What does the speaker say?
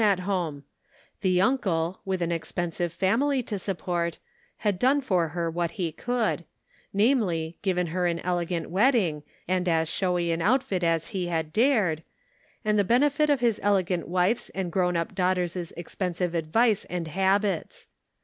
that home ; the uncle, with an expensive fam ily to support, had done for her what he could ; namely, given her an elegant wedding, and as showy an outfit as he had dared, and the benefit of his elegant wife's and grown up daughters' expensive advice and habits.